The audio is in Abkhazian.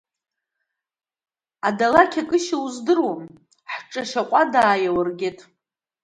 Адалақь акышьа уздыруам, ҳҿы ашьаҟәада иаургеит…